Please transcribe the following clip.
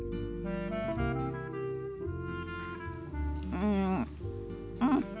うんうん。